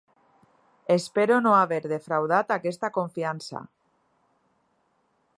Espero no haver defraudat aquesta confiança.